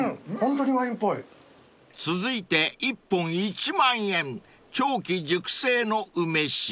［続いて１本１万円長期熟成の梅酒］